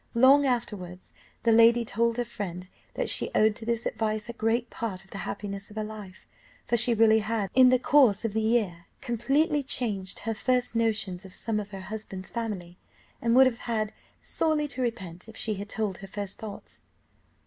Long afterwards the lady told her friend that she owed to this advice a great part of the happiness of her life, for she really had, in the course of the year, completely changed her first notions of some of her husband's family, and would have had sorely to repent, if she had told her first thoughts!"